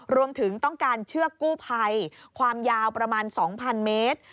รวมถึงต้องการเชือกกู้ภัยความยาวประมาณ๒๐๐เมตร